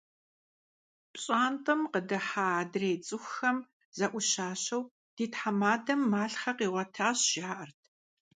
ПщӀантӀэм къыдыхьа адрей цӀыхухэм зэӀущащэу: «Ди тхьэмадэм малъхъэ къигъуэтащ», – жаӀэрт.